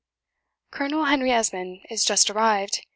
. "Colonel Henry Esmond is just arrived.